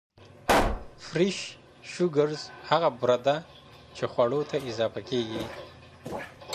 Fresh sugars هغه بوره ده چې خواړو ته اضافه کېږي.